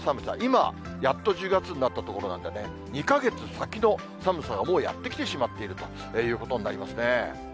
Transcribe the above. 今、やっと１０月になったところなんでね、２か月先の寒さがもうやって来てしまっているということになりますね。